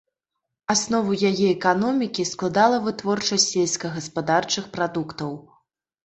Аснову яе эканомікі складала вытворчасць сельскагаспадарчых прадуктаў.